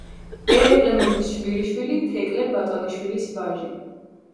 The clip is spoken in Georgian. ერეკლე მეფის შვილიშვილი, თეკლე ბატონიშვილის ვაჟი.